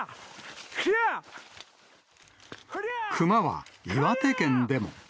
クマは岩手県でも。